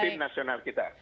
untuk tim nasional kita